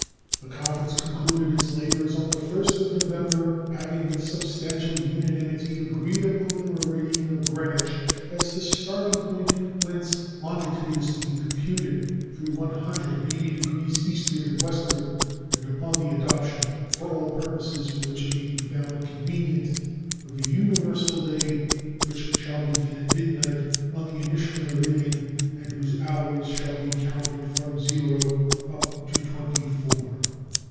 The conference concluded its labors on the 1st of November, having with substantial unanimity agreed upon the meridian of Greenwich as the starting point whence longitude is to be computed through 180 degrees eastward and westward, and upon the adoption, for all purposes for which it may be found convenient, of a universal day which shall begin at midnight on the initial meridian and whose hours shall be counted from zero up to twenty four.